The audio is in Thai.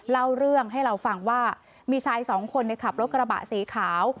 เล่าเรื่องให้เราฟังว่ามีชายสองคนในขับรถกระบะสีขาว